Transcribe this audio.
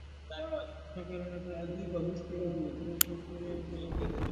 কোনো কারণে তার চোখে চোখ পড়ামাত্র চোখ ফিরিয়ে নিতে পারলেই যেন বাঁচি।